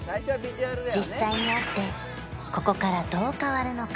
実際に会ってここからどう変わるのか？